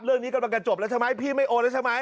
เรื่องนี้กำลังจะจบแล้วใช่ไหมพี่ไม่โอนแล้วใช่ไหม